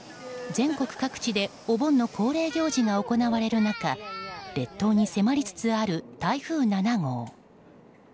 全国各地でお盆の恒例行事が行われる中列島に迫りつつある台風７号。